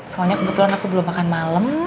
soalnya kebetulan aku belum makan malam